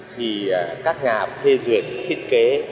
thì các nhà phê duyệt thiết kế